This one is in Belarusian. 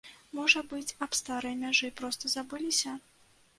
Можа быць, аб старой мяжы проста забыліся?